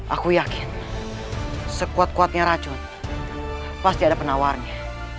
aku yakin sekuat kuatnya racun pasti ada penawarnya